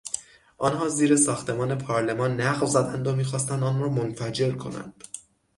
آنها زیر ساختمان پارلمان نقب زدند و میخواستند آن را منفجر کنند.